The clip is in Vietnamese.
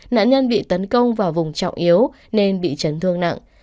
nạn nhân bị tấn công vào vùng trọng yếu nên bị chấn thương nặng